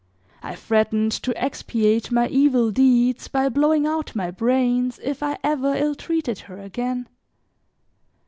I threatened to expiate my evil deeds by blowing out my brains, if I ever ill treated her again.